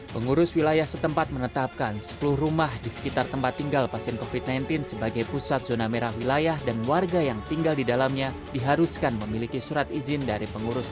pengurus wilayah setempat menetapkan sepuluh rumah di sekitar tempat tinggal pasien covid sembilan belas sebagai pusat zona merah wilayah dan warga yang tinggal di dalamnya diharuskan memiliki surat izin dari pengurus